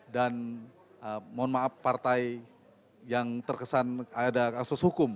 dan mohon maaf partai yang terkesan ada kasus hukum